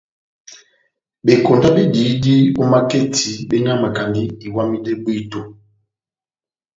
Bekonda bediyidi ó maketi benyamakandi iwamidɛ bwíto.